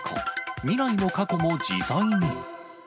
未来も過去も自在に。